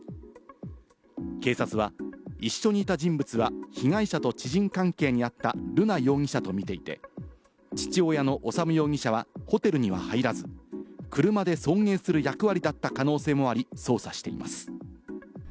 警察は一緒にいた人物は被害者と知人関係にあった瑠奈容疑者と見ていて、父親の修容疑者はホテルには入らず、車で送迎する役割だった可能性もあり、捜査しています。